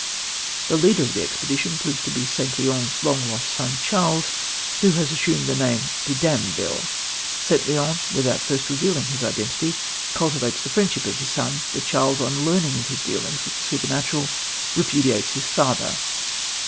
The leader of the expedition proves to be St. Leon's long lost son, Charles, who has assumed the name of De Damville. St. Leon, without at first revealing his identity, cultivates the friendship of his son, but Charles, on learning of his dealings with the supernatural, repudiates his father.